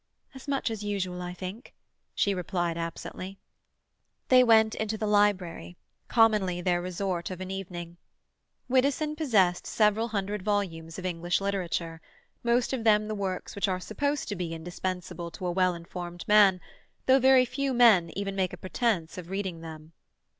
"As much as usual, I think," she replied absently. They went into the library, commonly their resort of an evening. Widdowson possessed several hundred volumes of English literature, most of them the works which are supposed to be indispensable to a well informed man, though very few men even make a pretence of reading them.